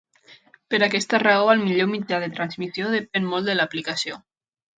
Per aquesta raó el millor mitjà de transmissió depèn molt de l'aplicació.